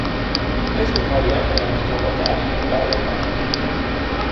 حزب کارگر در انتخابات اخیر بد آورد.